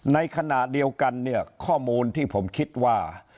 ในขณะเดียวกันเนี่ยข้อมูลที่ผมคิดว่า